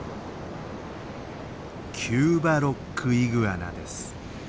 キューバロックイグアナです。